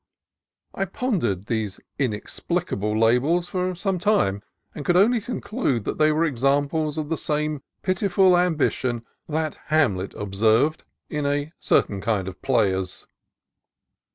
I pondered these inexplicable labels for some time, and could only conclude that they were examples of the same pitiful ambition that Hamlet observed in a certain kind of players.